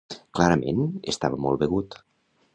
Clarament estava mol begut.